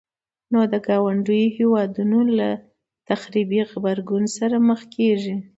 نو د ګاونډيو هيوادونو له تخريبي غبرګون سره مخ کيږي.